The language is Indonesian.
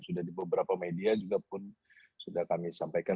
sudah di beberapa media juga pun sudah kami sampaikan